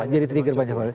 iya menjadi trigger banyak